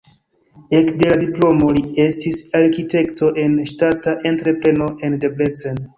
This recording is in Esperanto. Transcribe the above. Ekde la diplomo li estis arkitekto en ŝtata entrepreno en Debrecen.